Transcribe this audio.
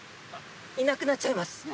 いなくなっちゃいます。